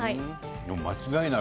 間違いない。